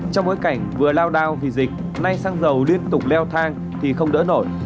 trong bối cảnh vừa lao đao vì dịch nay xăng dầu liên tục leo thang thì không đỡ nổi